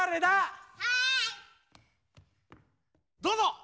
どうぞ！